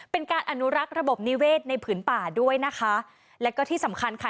เป็นการอนุรักษ์ระบบนิเวศในผืนป่าด้วยนะคะแล้วก็ที่สำคัญค่ะ